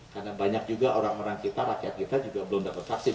karena banyak juga orang orang kita rakyat kita juga belum dapat vaksin